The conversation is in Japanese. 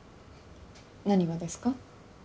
何がですか？